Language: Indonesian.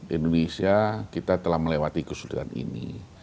indonesia kita telah melewati kesulitan ini